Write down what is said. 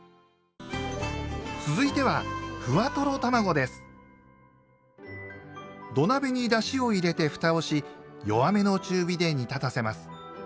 続いては土鍋にだしを入れてふたをし弱めの中火で煮立たせます。